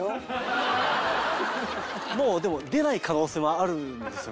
もうでも出ない可能性もあるんですよね？